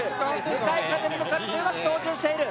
向かい風に向かってうまく操縦している。